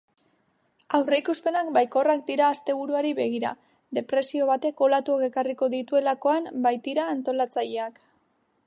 Aurreikuspenak baikorrak dira asteburuari begira, depresio batek olatuak ekarriko dutelakoan baitira antolatzaileek.